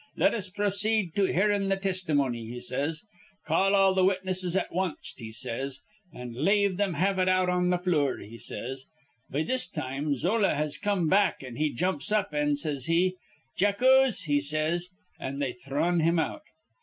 'Let us pro ceed to hearin' th' tistimony,' he says. 'Call all th' witnesses at wanst,' he says, 'an' lave thim have it out on th' flure,' he says. Be this time Zola has come back; an' he jumps up, an', says he, 'Jackuse,' he says. An' they thrun him out.